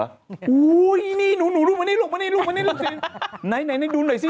โอ้โฮนี่หนูรู้มานี่หลวกเลยสิ